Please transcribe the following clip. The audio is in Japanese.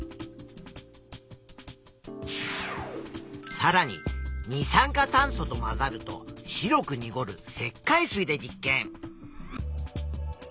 さらに二酸化炭素と混ざると白くにごる石灰水で実験。